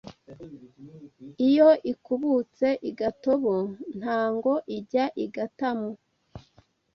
Iyo ikubutse i Gatobo Ntango ijya i Gatamu